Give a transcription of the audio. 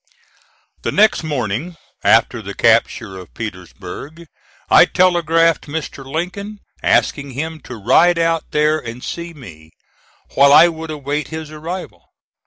The next morning after the capture of Petersburg, I telegraphed Mr. Lincoln asking him to ride out there and see me, while I would await his arrival.